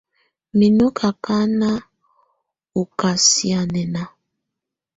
Mɛ́ nɔ́ ákáná ɔ kasianɛna.